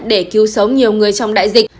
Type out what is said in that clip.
để cứu sống nhiều người trong đại dịch